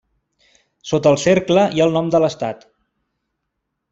Sota el cercle hi ha el nom de l'estat.